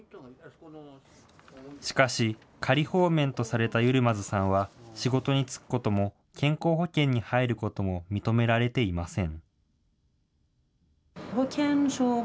しかし、仮放免とされたユルマズさんは仕事に就くことも、健康保険に入ることも認められていません。